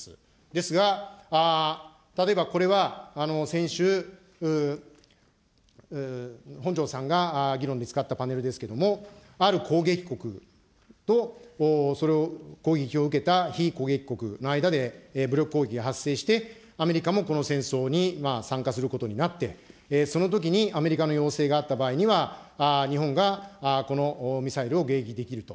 ですが、例えばこれは先週、本庄さんが議論で使ったパネルですけれども、ある攻撃国と、その攻撃を受けた被攻撃国の間で、武力攻撃が発生して、アメリカもこの戦争に参加することになって、そのときにアメリカの要請があった場合には、日本がこのミサイルを迎撃できると。